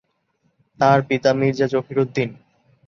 তার পিতা মীর্জা জহির উদ্দিন।